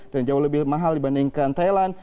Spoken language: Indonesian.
dan jauh lebih mahal dibandingkan thailand